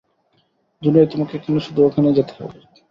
দুনিয়ায় তোমাকে কেন শুধু ওখানেই যেতে হবে?